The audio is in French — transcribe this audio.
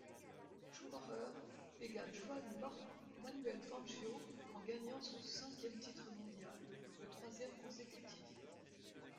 Schumacher égale Juan Manuel Fangio en gagnant son cinquième titre mondial, le troisième consécutif.